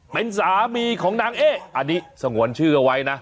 เป็นสามีของนางเอ๊อันนี้สงวนชื่อเอาไว้นะ